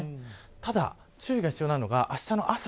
ただ注意が必要なのがあしたの朝。